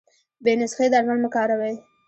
بې نسخي درمل مه کاروی